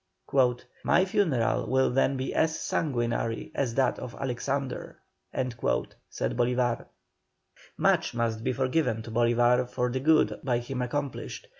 "My funeral will then be as sanguinary as that of Alexander," said Bolívar. Much must be forgiven to Bolívar for the good by him accomplished.